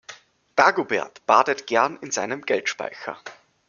Dagobert badet gern in seinem Geldspeicher.